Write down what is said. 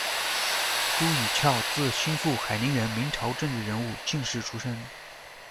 朱与翘，字惺复，，海宁人，明朝政治人物、进士出身。